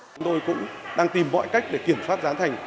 chúng tôi cũng đang tìm mọi cách để kiểm soát giá thành